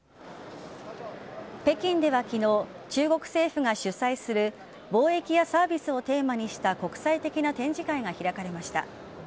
北京では昨日中国政府が主催する貿易やサービスをテーマにした国際的な展示会が開かれました。